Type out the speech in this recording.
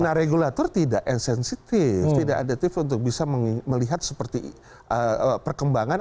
nah regulator tidak insensitive tidak aditif untuk bisa melihat seperti perkembangan